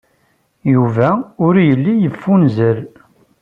Yuba ur yelli yeffunzer.